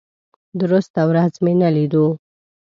درسته ورځ مې نه لیدو.